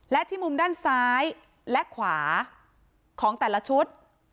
และที่มุมด้านซ้ายและขวาของแต่ละชุด